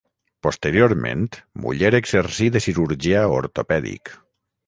Posteriorment Muller exercí de cirurgià ortopèdic.